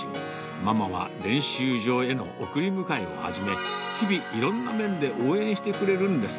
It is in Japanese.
ママは練習場への送り迎えをはじめ、日々、いろんな面で応援してくれるんです。